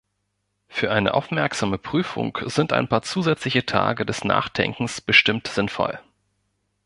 Für eine aufmerksame Prüfung sind ein paar zusätzliche Tage des Nachdenkens bestimmt sinnvoll.